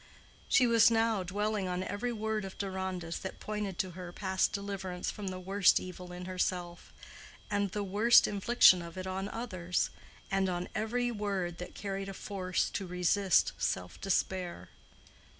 She was now dwelling on every word of Deronda's that pointed to her past deliverance from the worst evil in herself, and the worst infliction of it on others, and on every word that carried a force to resist self despair.